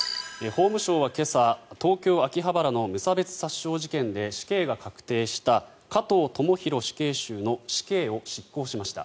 法務省は今朝東京・秋葉原の無差別殺傷事件で死刑が確定した加藤智大死刑囚の死刑を執行しました。